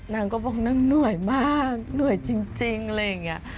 นางก็บอกนางเหนื่อยมากเหนื่อยจริงอะไรอย่างนี้